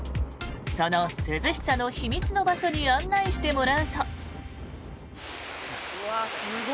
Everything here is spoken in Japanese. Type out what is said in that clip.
その涼しさの秘密の場所に案内してもらうと。